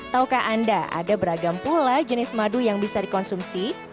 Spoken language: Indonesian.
taukah anda ada beragam pula jenis madu yang bisa dikonsumsi